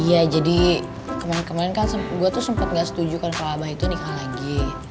iya jadi kemaren kemaren kan gue tuh sempet gak setujukan kalo abah itu nikah lagi